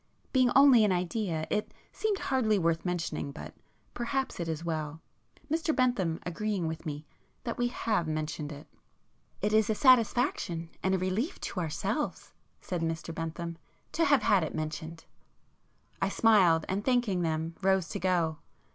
Being only an idea, it seemed hardly worth mentioning—but perhaps it is well—Mr Bentham agreeing with me—that we have mentioned it." "It is a satisfaction and relief to ourselves,"—said Mr Bentham, "to have had it mentioned." I smiled, and thanking them, rose to go.